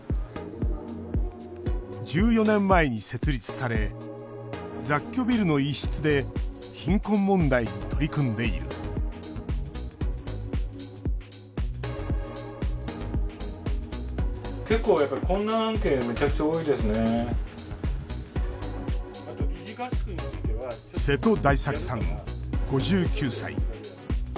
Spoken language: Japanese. １４年前に設立され雑居ビルの一室で貧困問題に取り組んでいる瀬戸大作さん、５９歳。